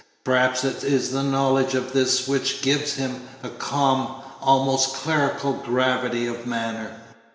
Perhaps it is the knowledge of this which gives him a calm, almost clerical gravity of manner.